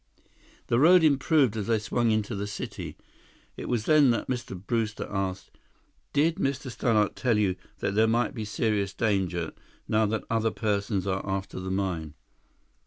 The road improved as they swung into the city. It was then that Mr. Brewster asked: "Did Mr. Stannart tell you that there might be serious danger, now that other persons are after the mine?"